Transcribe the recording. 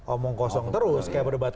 omong kosong terus kayak berdebat